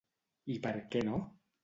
I per què no?